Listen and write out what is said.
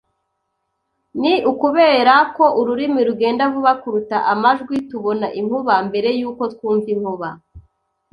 Ni ukubera ko urumuri rugenda vuba kuruta amajwi tubona inkuba mbere yuko twumva inkuba.